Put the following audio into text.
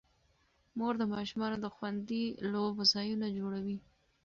مور د ماشومانو د خوندي لوبو ځایونه جوړوي.